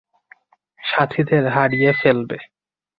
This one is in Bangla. সাথীদের হারিয়ে ফেলবে।